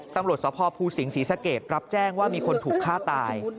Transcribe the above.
ตำรวจสภภูสิงศรีสะเกดรับแจ้งว่ามีคนถูกฆ่าตาย